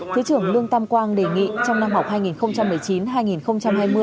thứ trưởng lương tam quang đề nghị trong năm học hai nghìn một mươi chín hai nghìn hai mươi